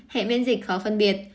hệ miễn dịch khó phân biệt